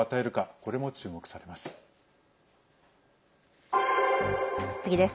これも注目されます。